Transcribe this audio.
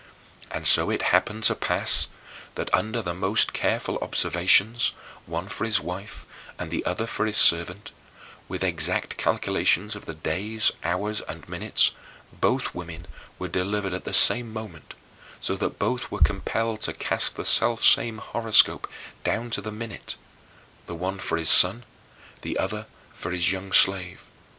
And so it happened to pass that under the most careful observations, one for his wife and the other for his servant, with exact calculations of the days, hours, and minutes both women were delivered at the same moment, so that both were compelled to cast the selfsame horoscope, down to the minute: the one for his son, the other for his young slave.